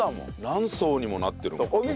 何層にもなってるもん。